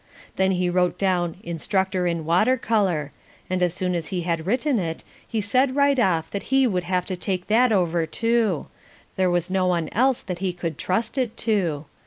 Then he wrote down Instructor in Water Colour, and as soon as he had written it he said right off that he would have to take that over too; there was no one else that he could trust it to.